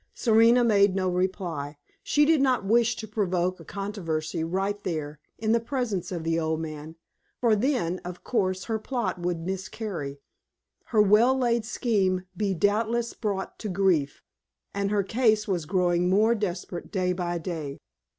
Serena made no reply. She did not wish to provoke a controversy right there, in the presence of the old man; for then, of course, her plot would miscarry her well laid scheme be doubtless brought to grief and her case was growing more desperate day by day.